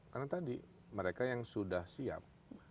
karena tadi mereka yang sudah siap